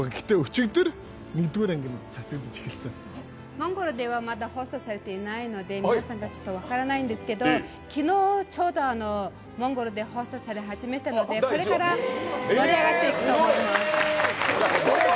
モンゴルではまだ放送されていないので分からないんですけども昨日、ちょうどモンゴルで放送され始めたので、これから盛り上がっていくと思います。